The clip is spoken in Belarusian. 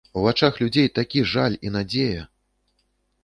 У вачах у людзей такі жаль і надзея!